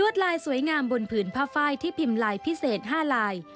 ลายสวยงามบนผืนผ้าไฟที่พิมพ์ลายพิเศษ๕ลาย